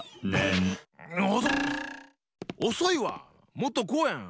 もっとこうやん！